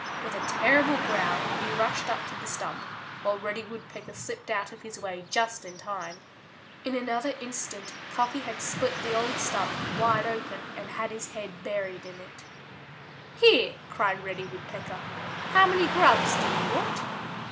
With a terrible growl he rushed up to the stump, while Reddy Woodpecker slipped out of his way just in time. In another instant Cuffy had split the old stump wide open and had his head buried in it. "Here!" cried Reddy Woodpecker. "How many grubs do you want?"